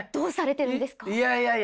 いやいやいや。